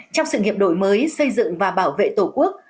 trong sự nghiệp đổi mới xây dựng và bảo vệ tổ quốc